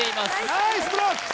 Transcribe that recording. ナイスブロック！